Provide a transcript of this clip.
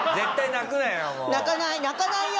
泣かないよ！